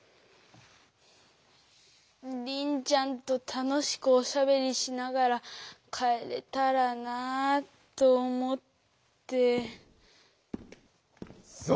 リンちゃんと楽しくおしゃべりしながら帰れたらなと思って。